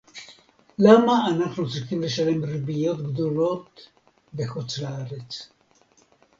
למה אנחנו צריכים לשלם ריביות גדולות בחוץ-לארץ